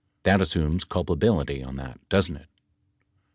That assumes culpability on that, doesn't it?